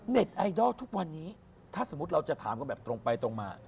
ไอดอลทุกวันนี้ถ้าสมมุติเราจะถามกันแบบตรงไปตรงมา